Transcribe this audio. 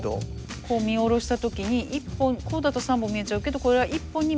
こう見下ろした時にこうだと３本見えちゃうけどこれが１本に見える角度。